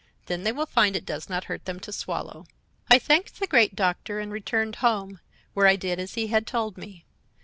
Then they will find it does not hurt them to swallow.' "I thanked the great Doctor and returned home, where I did as he had told me.